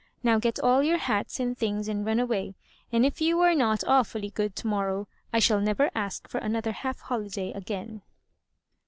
Now get all your hats and things and run away ; and if you are not awfully good to morrow, I shall never ask for an other half holiday again."